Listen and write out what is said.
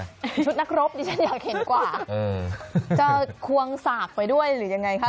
ชุดนักรบดิฉันอยากเห็นกว่าจะควงสากไปด้วยหรือยังไงคะ